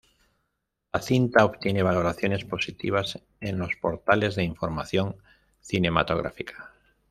La cinta obtiene valoraciones positivas en los portales de información cinematográfica.